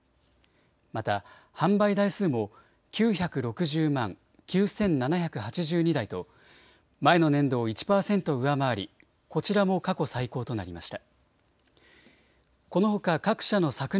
また販売台数も９６０万９７８２台と前の年度を１％上回りこちらも過去最高となりました。